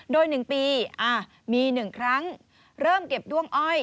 โดย๑ปีมี๑ครั้งเริ่มเก็บด้วงอ้อย